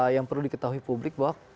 yang perlu diketahui publik bahwa